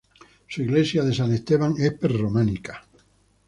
Su iglesia de San Esteban es prerrománica.